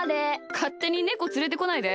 かってにネコつれてこないで。